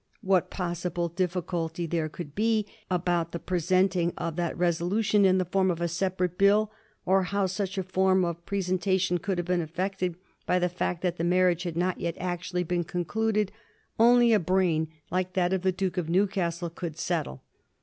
What possible difficulty there could be about the presenting of that resolution in the form of a separate Bill, or how such a form of pres entation could have been affected by the fact that the marriage had not yet actually been concluded, only a brain like that of the Duke of Newcastle could settle.